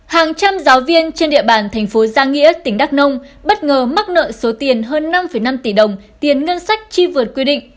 hàng trăm giáo viên trên địa bàn thành phố giang nghĩa tỉnh đắk nông bất ngờ mắc nợ số tiền hơn năm năm tỷ đồng tiền ngân sách chi vượt quy định